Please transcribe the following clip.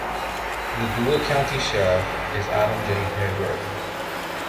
The Deuel County Sheriff is Adam J. Hayward.